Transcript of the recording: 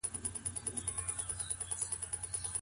ځيني کسان د خپلي مېرمني قصې نورو ته کوي.